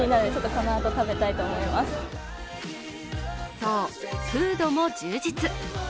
そう、フードも充実。